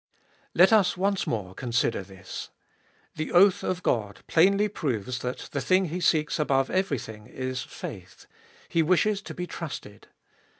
Let us once more consider this. The oath of God plainly proves that the thing He seeks above everything is — faith ; He wishes to be trusted.